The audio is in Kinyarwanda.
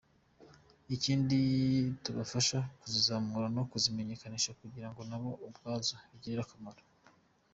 Ikindi tubafasha kuzizamura no kuzimenyekanisha kugira ngo nabo ubwabo zibagirire akamaro.